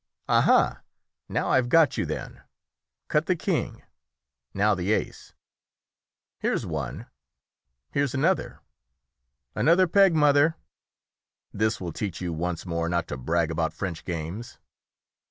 "Aha! now I have got you, then. Cut the king now the ace here's one, here's another. Another peg, mother! This will teach you once more not to brag about French games."